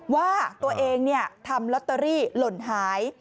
ว่าตัวเองทำลอตเตอรี่หล่นหาย